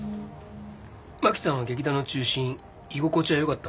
マキさんは劇団の中心居心地はよかったわけだ。